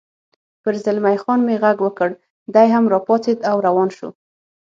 پر زلمی خان مې غږ وکړ، دی هم را پاڅېد او روان شو.